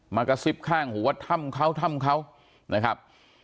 กระซิบข้างหูว่าถ้ำเขาถ้ำเขานะครับ